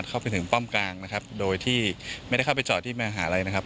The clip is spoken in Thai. เข้าไปถึงป้อมกลางโดยที่ไม่ได้เข้าไปจอดที่มหาวิทยาลัย